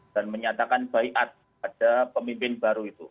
dan menyatakan baik ada pemimpin baru itu